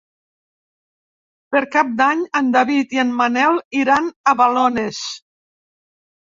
Per Cap d'Any en David i en Manel iran a Balones.